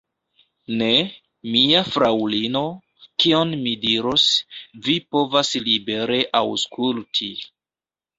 Ne, mia fraŭlino, kion mi diros, vi povas libere aŭskulti.